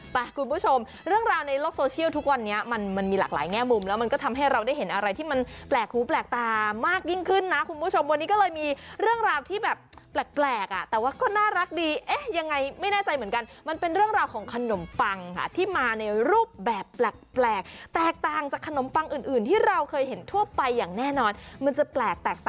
คุณผู้ชมเรื่องราวในโลกโซเชียลทุกวันนี้มันมันมีหลากหลายแง่มุมแล้วมันก็ทำให้เราได้เห็นอะไรที่มันแปลกหูแปลกตามากยิ่งขึ้นนะคุณผู้ชมวันนี้ก็เลยมีเรื่องราวที่แบบแปลกอ่ะแต่ว่าก็น่ารักดีเอ๊ะยังไงไม่แน่ใจเหมือนกันมันเป็นเรื่องราวของขนมปังค่ะที่มาในรูปแบบแปลกแตกต่างจากขนมปังอื่นอื่นที่เราเคยเห็นทั่วไปอย่างแน่นอนมันจะแปลก